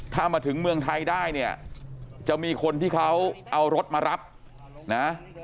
ถ้ามาถึงเมืองไทยได้เนี่ยจะมีคนที่เขาเอารถมารับนะ